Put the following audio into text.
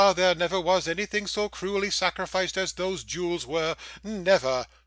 there never was anything so cruelly sacrificed as those jewels were, never!